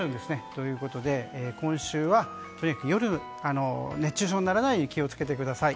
ということで、今週はとにかく夜熱中症にならないよう気を付けてください。